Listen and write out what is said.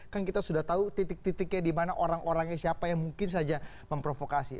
kan kita sudah tahu titik titiknya di mana orang orangnya siapa yang mungkin saja memprovokasi